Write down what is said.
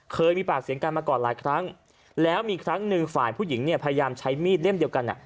เคยมีปากเสียงกันมาก่อนหลายครั้งแล้วมีครั้งหนึ่งฝ่ายผู้หญิงเนี่ยพยายามใช้มีดเล่มเดียวกัน